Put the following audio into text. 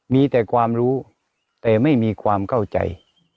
มีแต่ความรู้แต่ไม่มีความเข้าใจ